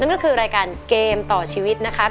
นั่นก็คือรายการเกมต่อชีวิตนะคะ